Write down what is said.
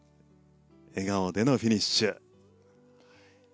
笑顔でのフィニッシュ。